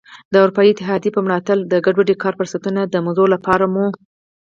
د اروپايي اتحادیې په ملاتړ د ګډو کاري فرصتونو د موضوع لپاره مو.